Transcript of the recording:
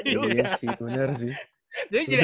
iya sih bener sih